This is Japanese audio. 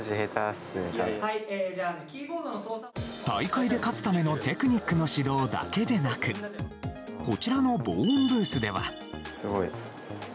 大会で勝つためのテクニックの指導だけでなくこちらの防音ブースでは。